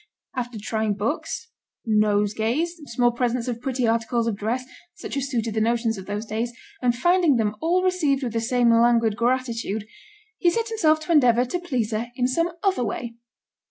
After trying books, nosegays, small presents of pretty articles of dress, such as suited the notions of those days, and finding them all received with the same languid gratitude, he set himself to endeavour to please her in some other way.